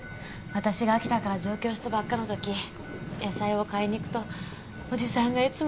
私が秋田から上京したばっかの時野菜を買いに行くとおじさんがいつも励ましてくれて。